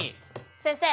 先生。